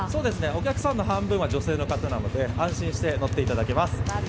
お客さんの半分は女性の方なので安心して乗っていただけます。